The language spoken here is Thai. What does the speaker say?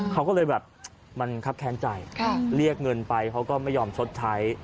เขาก็เลยแบบมันครับแค้นใจเรียกเงินไปเขาก็ไม่ยอมชดใช้